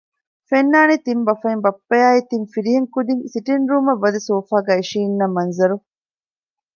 ފެންނާނީ ތިން ބަފައިން ބައްޕައާއި ތިން ފިރިހެން ކުދީން ސިޓިންގ ރޫމަށް ވަދެ ސޯފާގައި އިނށީންނަ މަންޒަރު